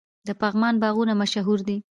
د پغمان باغونه مشهور دي.